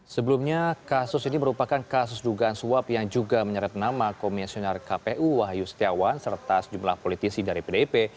sebelumnya kasus ini merupakan kasus dugaan suap yang juga menyeret nama komisioner kpu wahyu setiawan serta sejumlah politisi dari pdip